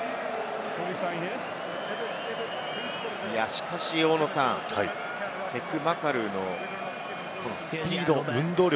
しかし大野さん、セク・マカルーのスピード、運動量。